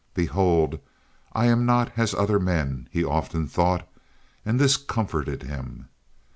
"Behold I am not as other men," he often thought, and this comforted him.